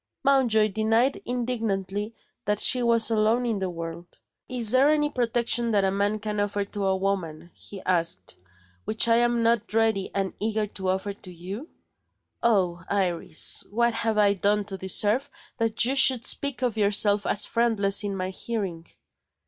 Mountjoy denied indignantly that she was alone in the world. "Is there any protection that a man can offer to a woman," he asked, "which I am not ready and eager to offer to You? Oh, Iris, what have I done to deserve that you should speak of yourself as friendless in my hearing!"